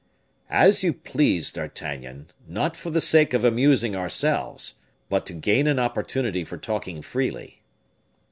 "As you please, D'Artagnan; not for the sake of amusing ourselves, but to gain an opportunity for talking freely."